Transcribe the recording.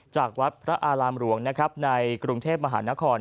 จากวัดพระอารามหลวงในกรุงเทพมหานคร